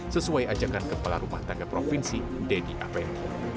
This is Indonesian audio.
sesuai ajakan kepala rumah tangga provinsi dedy apen